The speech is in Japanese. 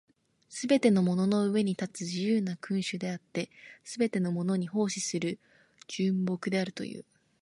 すべてのものの上に立つ自由な君主であって、すべてのものに奉仕する従僕であるという。